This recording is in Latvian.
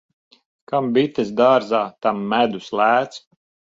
Kam bites dārzā, tam medus lēts.